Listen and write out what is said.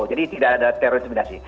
jadi tidak ada teror intimidasi